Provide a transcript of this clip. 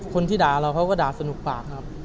คนที่ด่าเราเขาก็ด่าสนุกปากครับ